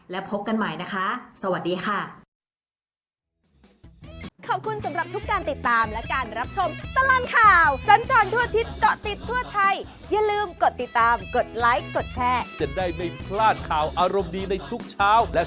และพบกันใหม่นะคะสวัสดีค่ะ